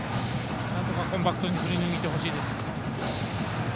なんとかコンパクトに振り抜いてほしいです。